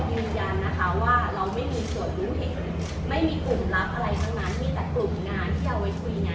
ที่เขาบอกว่าเป็นแชทภูมิของเพื่อนน้องที่มันจัดจ้านกับอาหารที่พูดอย่างนั้นนะ